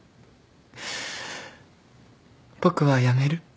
僕はやめる。